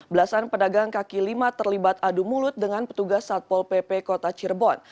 belasan pedagang kaki lima terlibat adu mulut dengan petugas satpol pp kota cirebon